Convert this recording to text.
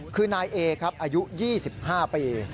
คือนายเอครับอายุ๒๕ปี